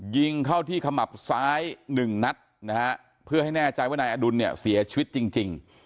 ยิงเข้าที่ขมับซ้ายหนึ่งนัดนะฮะเพื่อให้แน่ใจว่านายอดุลเนี่ยเสียชีวิตจริง